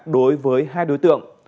đối với hai đối tượng